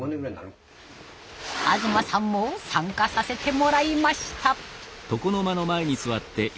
東さんも参加させてもらいました。